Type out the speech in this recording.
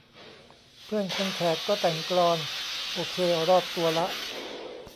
เพื่อนคนแขกก็แต่งกลอน โอเครอดตัวละ